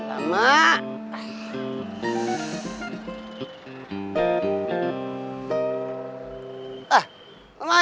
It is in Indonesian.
lumayan ini dua ribu perak